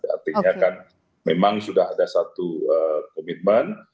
artinya kan memang sudah ada satu komitmen